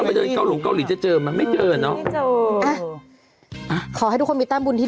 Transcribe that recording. โอ๊ยน้ำจะได้เจอนะครับ